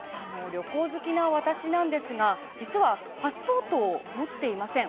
旅行好きな私なんですが実はパスポートを持っていません。